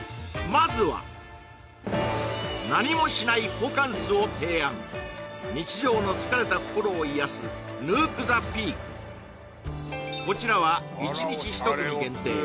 まずは何もしないホカンスを提案日常の疲れた心を癒やすＮｏｏｋＴｈｅＰｅａｋこちらは１日１組限定